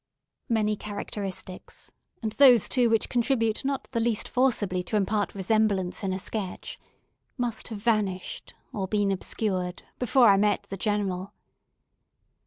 Many characteristics—and those, too, which contribute not the least forcibly to impart resemblance in a sketch—must have vanished, or been obscured, before I met the General.